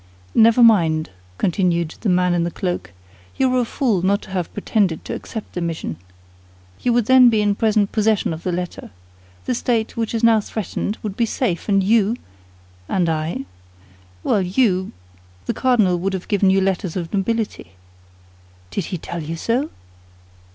"Never mind," continued the man in the cloak; "you were a fool not to have pretended to accept the mission. You would then be in present possession of the letter. The state, which is now threatened, would be safe, and you—" "And I?" "Well you—the cardinal would have given you letters of nobility." "Did he tell you so?"